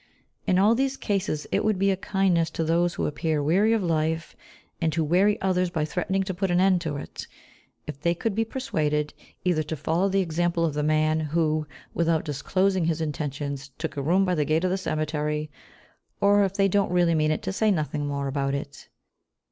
In all these cases it would be a kindness to those who appear weary of life, and who weary others by threatening to put an end to it, if they could be persuaded, either to follow the example of the man who, without disclosing his intentions, took a room by the gate of the cemetery, or, if they don't really mean it, to say nothing more about it.